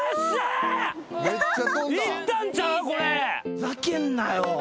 ふざけんなよ。